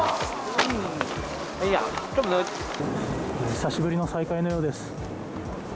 久しぶりの再会のようです。